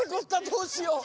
どうしよう。